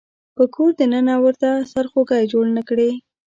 په کور د ننه ورته سرخوږی جوړ نه کړي.